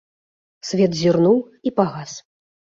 Свет зірнуў і пагас.